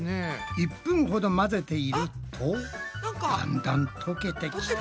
１分ほど混ぜているとだんだんとけてきた！